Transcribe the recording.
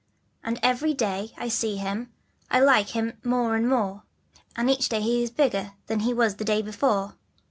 And every day T see him I like him more and more, And each day he is bigger than he was the day before.